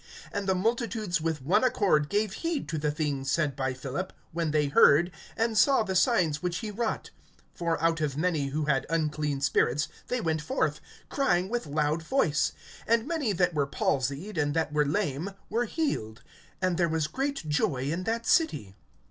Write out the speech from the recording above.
(6)And the multitudes with one accord gave heed to the things said by Philip, when they heard, and saw the signs which he wrought. (7)For out of many who had unclean spirits they went forth, crying with loud voice; and many that were palsied, and that were lame, were healed. (8)And there was great joy in that city.